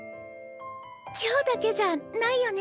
今日だけじゃないよね？